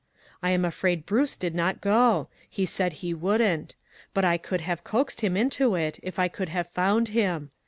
I am afraid Bruce did not go ; he said lie wouldn't; but I could have coaxed him into it if I could have found him.